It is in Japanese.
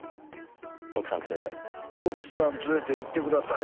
奥さん連れて奥さん連れて行ってください